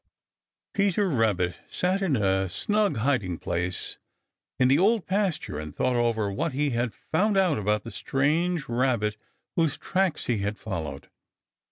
Peter Rabbit sat in a snug hiding place in the Old Pasture and thought over what he had found out about the strange Rabbit whose tracks he had followed.